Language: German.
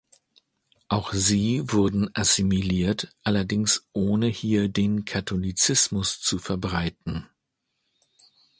Auch sie wurden assimiliert, allerdings ohne hier den Katholizismus zu verbreiten.